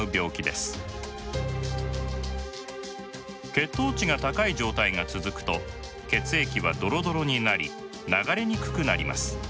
血糖値が高い状態が続くと血液はドロドロになり流れにくくなります。